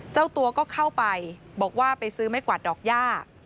เจ้าตัวก็เข้าไปบอกว่าไปซื้อไม้กวาดดอกย่า